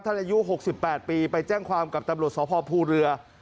ท่านอายุหกสิบแปดปีไปแจ้งความกับตำรวจสภพภูเรือ